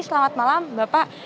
selamat malam bapak